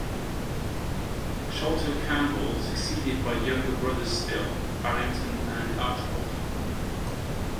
Sholto Campbell, succeeded by younger brothers still, Barrington and Archibald.